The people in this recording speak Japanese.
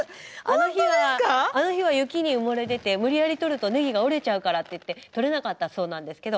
あの日は雪に埋もれてて無理やり取るとネギが折れちゃうからっていって取れなかったそうなんですけど。